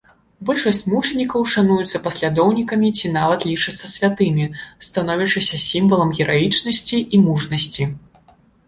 Большасць мучанікаў шануюцца паслядоўнікамі ці нават лічацца святымі, становячыся сімвалам гераічнасці і мужнасці.